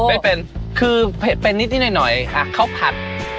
ไม่เป็นคือเป็นนิดนิดหน่อยหน่อยอ่ะเข้าผัด